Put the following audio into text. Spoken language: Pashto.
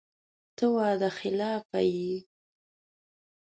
ته وعده خلافه یې !